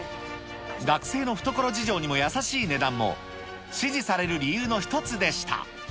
学生の懐事情にも優しい値段も、支持される理由の一つでした。